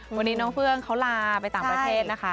วันนี้น้องเฟื่องเขาลาไปต่างประเทศนะคะ